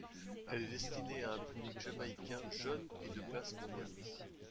Elle est destinée à un public jamaïcain jeune et de classe moyenne.